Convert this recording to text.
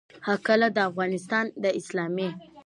هکله، د افغانستان د اسلامي